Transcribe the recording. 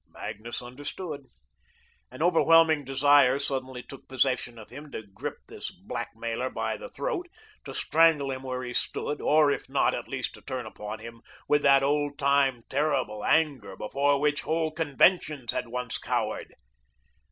Magnus understood. An overwhelming desire suddenly took possession of him to grip this blackmailer by the throat, to strangle him where he stood; or, if not, at least to turn upon him with that old time terrible anger, before which whole conventions had once cowered.